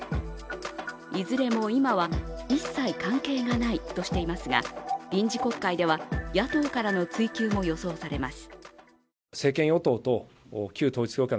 いずれも今は一切関係がないとしていますが臨時国会では野党からの追及も予想されます。